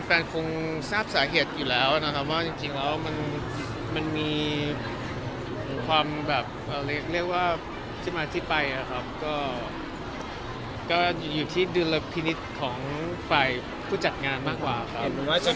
คงทราบสาเหตุอยู่แล้วนะครับว่าจริงแล้วมันมีความแบบเรียกว่าที่มาที่ไปนะครับก็อยู่ที่ดุลพินิษฐ์ของฝ่ายผู้จัดงานมากกว่าครับ